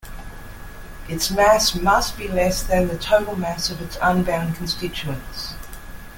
Its mass must be less than the total mass of its unbound constituents.